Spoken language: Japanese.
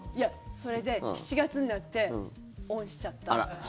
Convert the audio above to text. それで７月になってオンしちゃった。